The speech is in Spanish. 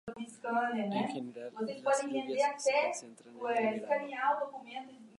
En general, las lluvias se concentran en el verano.